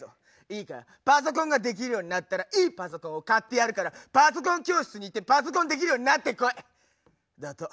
いいかパソコンができるようになったらいいパソコンを買ってやるからパソコン教室に行ってパソコンできるようになってこい」だと。